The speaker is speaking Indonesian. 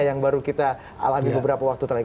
yang baru kita alami beberapa waktu terakhir